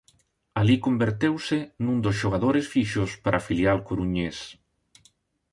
Alí converteuse nun dos xogadores fixos para filial coruñés.